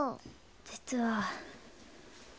実は。